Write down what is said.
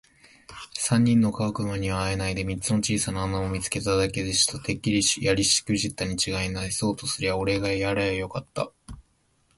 三人の小悪魔にはあえないで、三つの小さな穴を見つけただけでした。「てっきりやりしくじったにちがいない。そうとすりゃおれがやりゃよかった。」